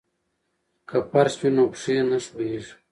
که فرش وي نو پښې نه ښویېږي.